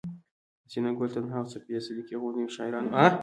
حسينه ګل تنها او صفيه صديقي غوندې شاعرانو